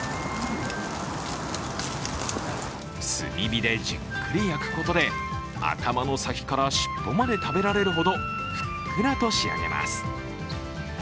炭火でじっくり焼くことで、頭の先から尻尾まで食べられるほど、ふっくらと仕上げます。